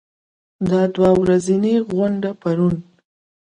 دا دوه ورځنۍ غونډه پرون